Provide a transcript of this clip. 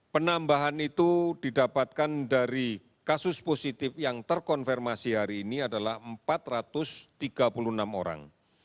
penambahan itu didapatkan dari kasus positif yang terkonfirmasi hari ini adalah empat ratus tiga puluh enam orang